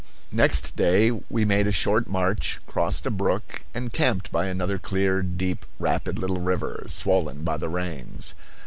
Next day we made a short march, crossed a brook, and camped by another clear, deep, rapid little river, swollen by the rains.